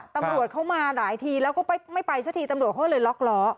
ตำรวจเขามาหลายทีแล้วก็ไม่ไปสักทีตำรวจเขาเลยล็อกล้อ